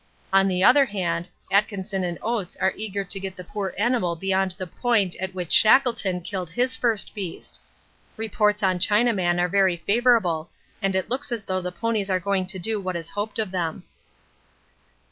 On the other hand, Atkinson and Oates are eager to get the poor animal beyond the point at which Shackleton killed his first beast. Reports on Chinaman are very favourable, and it really looks as though the ponies are going to do what is hoped of them.